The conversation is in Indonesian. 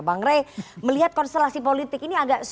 bang rey melihat konstelasi politik ini agak